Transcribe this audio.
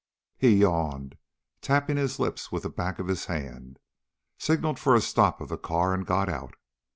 He yawned, tapping his lips with the back of his hand, signaled for a stop of the car, and got out.